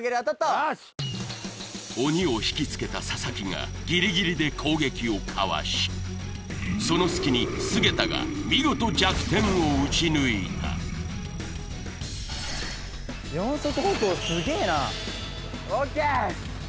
鬼を引きつけた佐々木がギリギリで攻撃をかわしその隙に菅田が見事弱点を撃ち抜いた・四足歩行すげえなＯＫ！